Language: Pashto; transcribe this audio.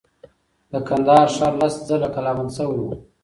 د کندهار ښار لس ځله کلا بند شوی و.